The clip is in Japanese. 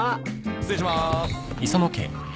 失礼しまーす。